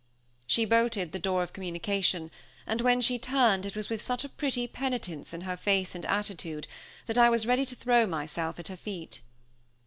She bolted the door of communication, and when she turned it was with such a pretty penitence in her face and attitude, that I was ready to throw myself at her feet.